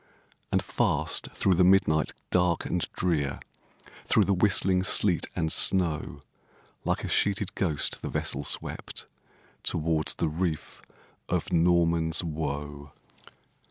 And fast through the midnight dark and drear, Through the whistling sleet and snow, Like a sheeted ghost, the vessel swept Towards the reef of Norman's Woe.